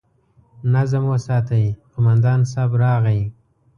نظم وساتئ! قومندان صيب راغی!